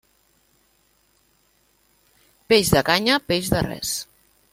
Peix de canya, peix de res.